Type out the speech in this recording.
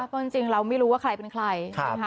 เพราะจริงเราไม่รู้ว่าใครเป็นใครนะคะ